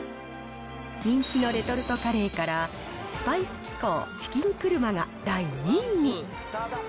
人気のレトルトカレーから、スパイス紀行チキンクルマが第２位に。